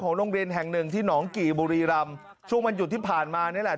โรงเรียนแห่งหนึ่งที่หนองกี่บุรีรำช่วงวันหยุดที่ผ่านมานี่แหละ